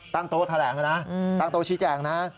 ตั้งโต๊ะแถลงนะตั้งโต๊ะชี้แจงนะ